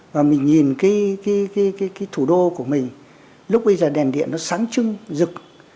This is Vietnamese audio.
và mình nhìn cái thủ đô của mình lúc bây giờ đèn điện nó sáng trưng rực